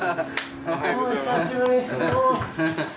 久しぶり。